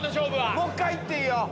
もう１回行っていいよ。